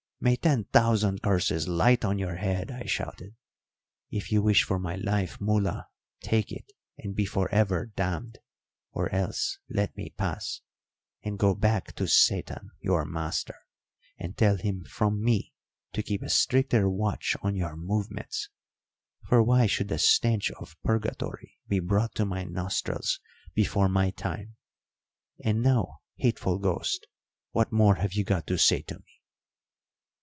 'May ten thousand curses light on your head!' I shouted. 'If you wish for my life, Mula, take it and be for ever damned; or else let me pass, and go back to Satan, your master, and tell him from me to keep a stricter watch on your movements; for why should the stench of purgatory be brought to my nostrils before my time! And now, hateful ghost, what more have you got to say to me?'